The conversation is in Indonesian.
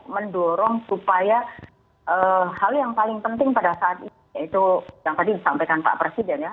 mendorong supaya hal yang paling penting pada saat ini yaitu yang tadi disampaikan pak presiden ya